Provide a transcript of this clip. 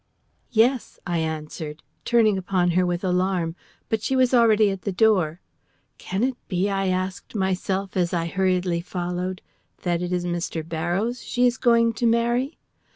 "Yes," I answered, turning upon her with alarm. But she was already at the door. "Can it be?" I asked myself, as I hurriedly followed, "that it is Mr. Barrows she is going to marry?"